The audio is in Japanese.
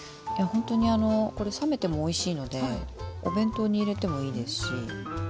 本当にあのこれ冷めてもおいしいのでお弁当に入れてもいいですし。